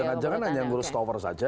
jangan jangan hanya ngurus tower saja